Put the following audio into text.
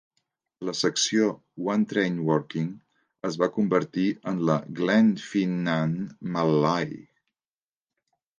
La secció One Train Working es va convertir en la Glenfinnan-Mallaig.